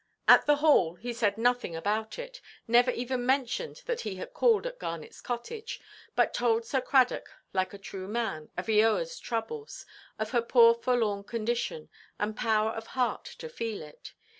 At the Hall he said nothing about it; never even mentioned that he had called at Garnetʼs cottage; but told Sir Cradock, like a true man, of Eoaʼs troubles, of her poor forlorn condition, and power of heart to feel it.